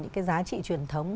những cái giá trị truyền thống